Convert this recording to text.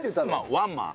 ワンマン。